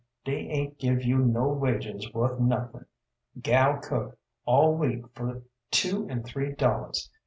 dey aint give you no wages worth nuthin'. Gal cook all week fer two an' three dollars.